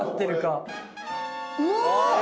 うわ！